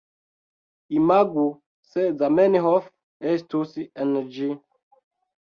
Imagu se Zamenhof estus en ĝi